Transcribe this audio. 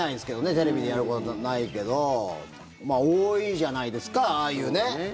テレビでやることないけど多いじゃないですか、ああいう。